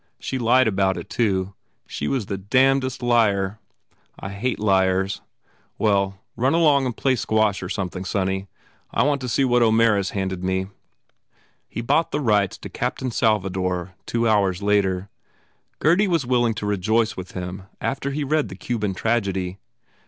She lied about it, too. She was the damnedest liar! I hate liars. Well run along and play squash or some thing, sonny. I want to see what O Mara s handed me." He bought the rights to "Captain Salvador" two hours later. Gurdy was willing to rejoice with him after he read the Cuban tragedy.